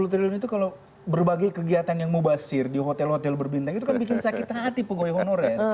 sepuluh triliun itu kalau berbagai kegiatan yang mubasir di hotel hotel berbintang itu kan bikin sakit hati pegawai honorer